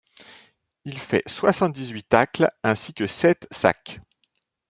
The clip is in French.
Il fait soixante-dix-huit tacles ainsi que sept sacks.